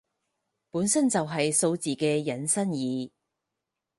本身就係數字嘅引申義